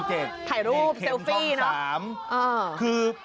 ถ่ายรูปเซลฟี่นะครับนี่เค็มช่อง๓คือ